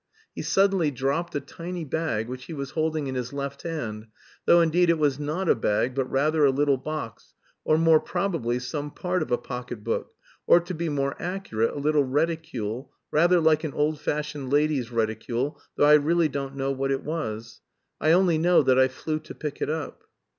He suddenly dropped a tiny bag, which he was holding in his left hand; though indeed it was not a bag, but rather a little box, or more probably some part of a pocket book, or to be more accurate a little reticule, rather like an old fashioned lady's reticule, though I really don't know what it was. I only know that I flew to pick it up.